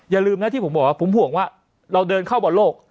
อย่าลืมนะที่ผมบอกว่าผมห่วงว่าเราเดินเข้าบอลโลก